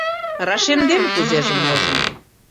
Рашемдем кузежым-можым